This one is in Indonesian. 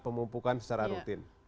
pemumpukan secara rutin